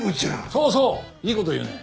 そうそういい事言うね。